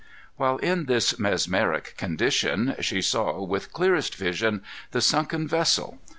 While in this mesmeric condition, she saw, with clearest vision, the sunken vessel.